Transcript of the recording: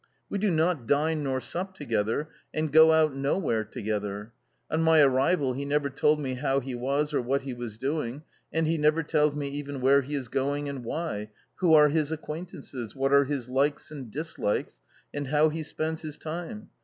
We do not dine nor sup together, and go out nowhere together. On my arrival he n^ver told me how he was or what he was doing and he never tells me even where he is going and why, who are his acquaintances. . what are his likes and dislikes and how he spends his time.